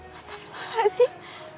masa pula sih